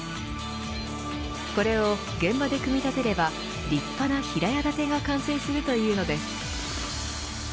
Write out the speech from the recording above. これを現場で組み立てれば立派な平屋建てが完成するというのです。